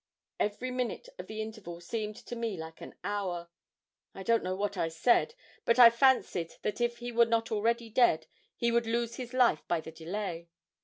Every minute of the interval seemed to me like an hour. I don't know what I said, but I fancied that if he were not already dead, he would lose his life by the delay.